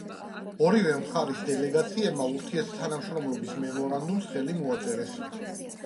ორივე მხარის დელეგაციებმა ურთიერთთანამშრომლობის მემორანდუმს ხელი მოაწერეს.